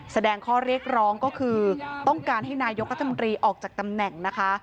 แสดงข้อเรียกร้องก็คือต้องการให้นายกรัฐมนตรีออกจากตำแหน่งนะคะ